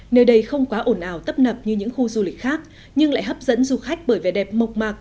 nơi đây không quá ổn ảo tấp nập như những khu du lịch khác nhưng lại hấp dẫn du khách bởi vẻ đẹp mộc mạc